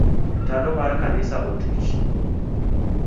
Tado mar kanisa otuch.